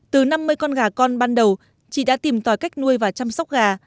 từ năm mươi con gà con ban đầu chị đã tìm tòi cách nuôi và chăm sóc gà